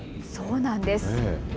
そうなんです。